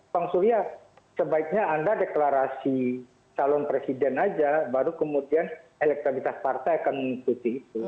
bang surya sebaiknya anda deklarasi calon presiden aja baru kemudian elektabilitas partai akan mengikuti itu